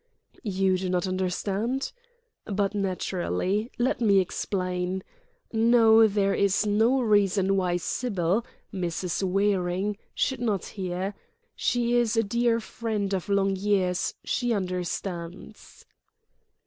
"You do not understand? But naturally. Let me explain. No: there is no reason why Sybil—Mrs. Waring—should not hear. She is a dear friend of long years, she understands."